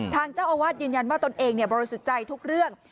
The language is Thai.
ทางเจ้าอาวาสยืนยันว่าตนเองบริสุทธิ์ใจทุกเรื่อง